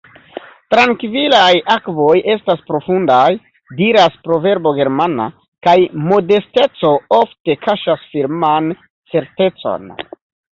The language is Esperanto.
« Trankvilaj akvoj estas profundaj », diras proverbo germana, kaj modesteco ofte kaŝas firman certecon.